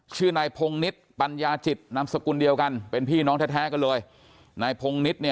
ชื่อนายพงนิตปัญญาจิตนามสกุลเดียวกันเป็นพี่น้องแท้กันเลยนายพงนิดเนี่ย